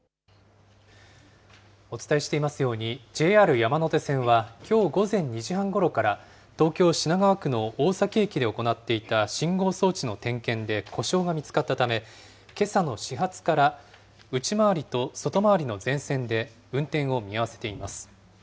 お伝えしていますように、ＪＲ山手線は、きょう午前２時半ごろから東京・品川区の大崎駅で行っていた信号装置の点検で故障が見つかったため、けさの始発から、内回りと外回りの全線で運転を見合わせています。